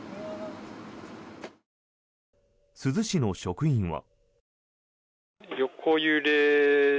珠洲市の職員は。